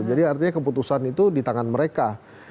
jadi artinya keputusan itu di tangan mereka